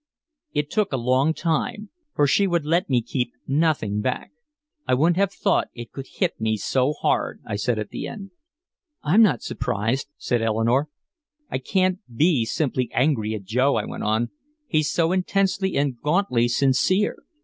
It took a long time, for she would let me keep nothing back. "I wouldn't have thought it could hit me so hard," I said at the end. "I'm not surprised," said Eleanore. "I can't be simply angry at Joe," I went on. "He's so intensely and gauntly sincere.